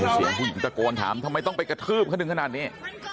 เสียงผู้หญิงตะโกนถามทำไมต้องไปกระทืบเขาถึงขนาดนี้